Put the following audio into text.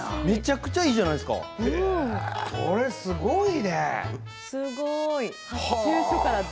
めちゃくちゃいいじゃないですか。